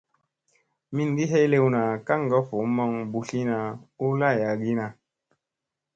Mingi helewna kaŋga voo maŋ mbutliina u layagiina.